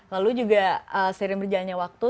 lalu juga seiring berjalannya waktu